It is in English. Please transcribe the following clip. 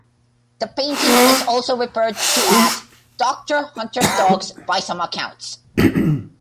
The painting is also referred to as "Doctor Hunter's Dogs" by some accounts.